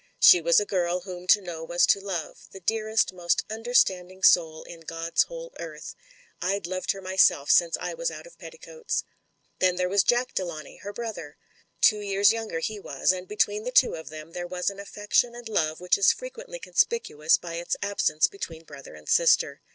She was a girl whom to know was to love — the dearest, most understanding soul in God's whole earth. I'd loved her myself since I was out of petti coats. Then there was Jack Delawnay, her brother. Two years younger he was, and between the two of them there was an affection and love which is frequently conspicuous by its absence between brother and sister.